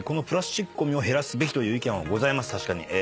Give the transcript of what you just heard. プラスチックごみを減らすべきという意見はございます。